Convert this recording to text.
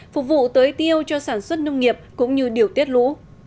phục vụ tới tiêu cho sản xuất nông nghiệp cũng như điều tiết lũ